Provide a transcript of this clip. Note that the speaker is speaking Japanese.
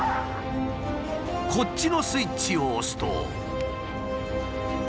こっちのスイッチを押すと。